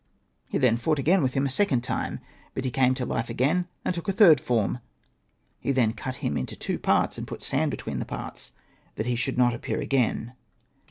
He then fought again with him a second time ; but he came to life again, and took a third form. He then cut him in two parts, and put sand SLAYING THE SNAKE. between the parts, that he should not appear again.